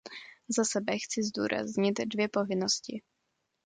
Za sebe chci zdůraznit dvě povinnosti.